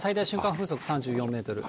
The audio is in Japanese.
風速３４メートル。